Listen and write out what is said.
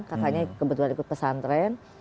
kakaknya kebetulan ikut pesantren